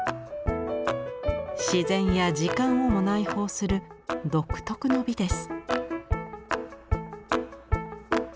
自然や時間をも内包する独特の美です。